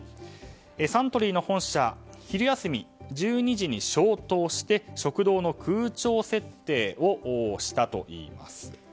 サントリーの本社昼休み１２時に消灯して食堂の空調設定をしたといいます。